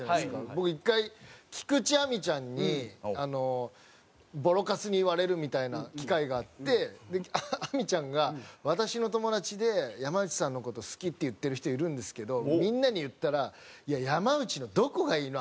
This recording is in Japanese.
僕１回菊地亜美ちゃんにボロカスに言われるみたいな機会があって亜美ちゃんが「私の友達で“山内さんの事好き”って言ってる人いるんですけどみんなに言ったら“山内のどこがいいの？